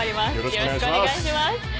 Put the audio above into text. よろしくお願いします。